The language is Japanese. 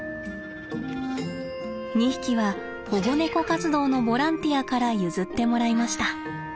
２匹は保護猫活動のボランティアから譲ってもらいました。